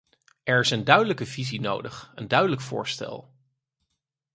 Er is een duidelijke visie nodig, een duidelijk voorstel.